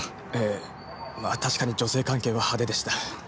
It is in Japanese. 確かに女性関係は派手でした。